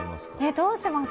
どうします？